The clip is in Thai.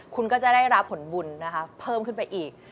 คุณก็จะได้รับผลบุญนะคะเพิ่มขึ้นไปอีก